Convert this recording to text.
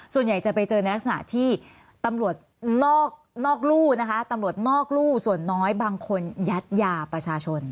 ส่วนใหญ่จะไปเจอในลักษณะที่ตำรวจนอกรู่นะคะตำรวจนอกรู่ส่วนน้อยบางคนยัดยาประชาชน